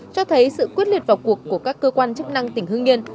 cho thấy sự quyết liệt vào cuộc của các cơ quan chấp năng tỉnh hưng nhiên